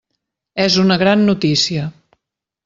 És una gran notícia.